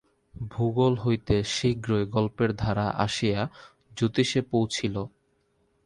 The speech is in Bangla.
ভূগোল হইতে শীঘ্রই গল্পের ধারা আসিয়া জ্যোতিষে পৌঁছিল।